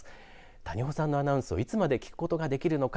谷保さんのアナウンスをいつまで聞くことができるのか。